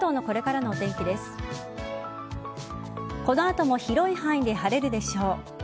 この後も広い範囲で晴れるでしょう。